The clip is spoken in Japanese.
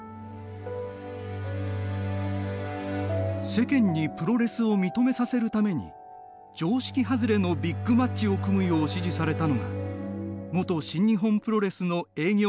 世間にプロレスを認めさせるために、常識外れのビッグマッチを組むよう指示されたのが元新日本プロレスの営業